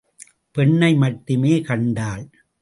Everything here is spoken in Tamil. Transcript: பெண்ணை மட்டுமே கண்டாள்.